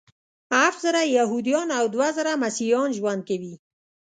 هفت زره یهودان او دوه زره مسیحیان ژوند کوي.